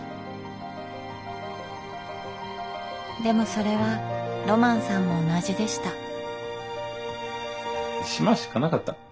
でもそれはロマンさんも同じでした。